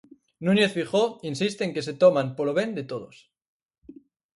Núñez Feijóo insiste en que se toman polo ben de todos.